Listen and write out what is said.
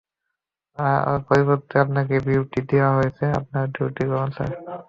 তার পরিবর্তে আপনাকে ডিউটি দেয়া হয়েছে আপনার ডিউটি শুরু করুন, স্যার।